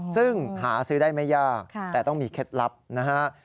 ซึ่งหาซื้อได้ไม่ยากแต่ต้องมีเคล็ดลับนะฮะ